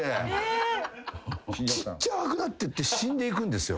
ちっちゃーくなってって死んでいくんですよ。